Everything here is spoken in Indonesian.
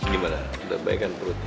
gimana udah baikan perutnya